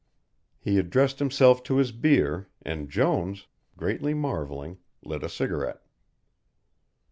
He addressed himself to his beer, and Jones, greatly marvelling, lit a cigarette.